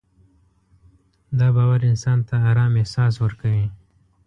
دا باور انسان ته ارام احساس ورکوي.